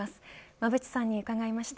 馬渕さんに伺いました。